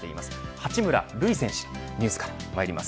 八村塁選手のニュースからまいります。